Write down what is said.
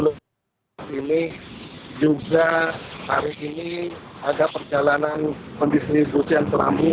dan saat ini juga hari ini ada perjalanan pendistribusian kelamu